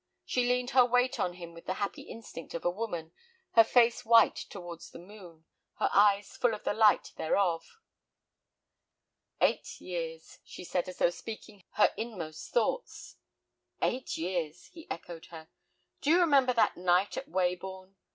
She leaned her weight on him with the happy instinct of a woman, her face white towards the moon, her eyes full of the light thereof. "Eight years," she said, as though speaking her inmost thoughts. "Eight years!" and he echoed her. "Do you remember that night at Weybourne?